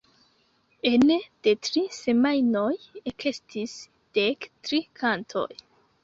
Ene de tri semajnoj ekestis dek tri kantoj.